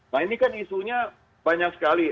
nah ini kan isunya banyak sekali